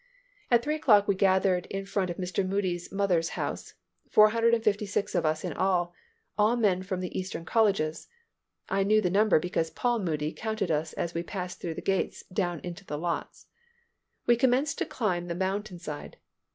At three o'clock we gathered in front of Mr. Moody's mother's house; four hundred and fifty six of us in all, all men from the eastern colleges. (I know the number because Mr. Paul Moody counted us as we passed through the gates down into the lots.) We commenced to climb the mountainside.